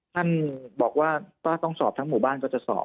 ท่านบอกว่าก็ต้องสอบชุมประชุมทั้งหมู่บ้านก็สอบ